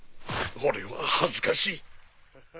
俺は恥ずかしい。